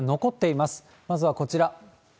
まずはこちら。